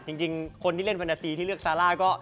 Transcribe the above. จริงคนที่เล่นเฟนาซีที่เลือกซาร่าก็